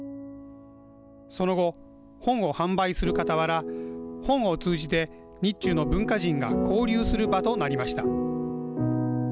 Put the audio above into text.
その後、本を販売する傍ら本を通じて日中の文化人が交流する場となりました。